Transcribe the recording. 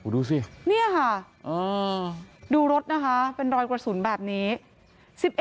ดูสินี่ค่ะดูรถนะคะเป็นรอยกระสุนแบบนี้